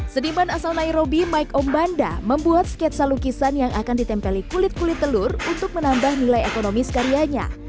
seniman asal nairobi mike ombanda membuat sketsa lukisan yang akan ditempeli kulit kulit telur untuk menambah nilai ekonomis karyanya